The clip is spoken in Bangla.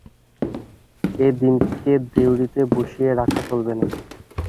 এ দিনকে দেউড়িতে বসিয়ে রাখা চলবে না।